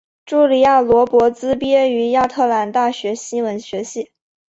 茱莉亚罗勃兹毕业于亚特兰大大学新闻学系。